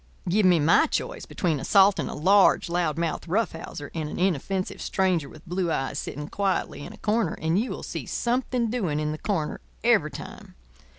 Give me my choice between assaulting a large, loudmouthed rough houser and an inoffensive stranger with blue eyes sitting quietly in a corner, and you will see something doing in the corner every time.